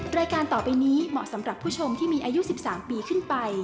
รายการต่อไปนี้เหมาะสำหรับผู้ชมที่มีอายุ๑๓ปีขึ้นไป